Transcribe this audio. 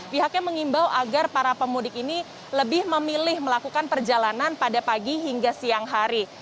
pihaknya mengimbau agar para pemudik ini lebih memilih melakukan perjalanan pada pagi hingga siang hari